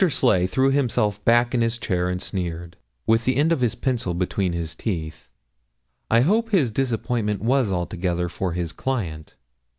Sleigh threw himself back in his chair, and sneered, with the end of his pencil between his teeth. I hope his disappointment was altogether for his client.